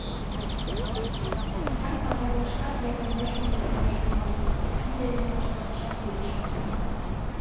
Адак пазарлашкат йытын нӧшмым луктедаш тӱҥалыт, кинде дене вашталташат лиеш.